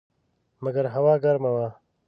مګر هوا ګرمه وه.